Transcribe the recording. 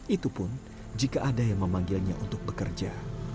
itu pun jika ada yang memanggilnya untuk bekerja